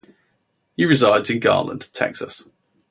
He resides in Garland, Texas.